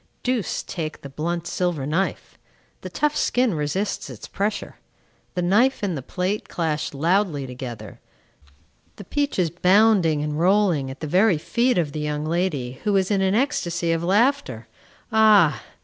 Deuce take the blunt silver knife! The tough skin resists its pressure. The knife and plate clash loudly together; the peach is bounding and rolling at the very feet of the young lady, who is in an ecstasy of laughter. Ah!